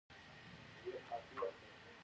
دوی په هند هم حملې وکړې